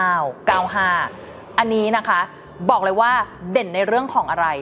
อันนี้นะคะบอกเลยว่าเด่นในเรื่องของอะไร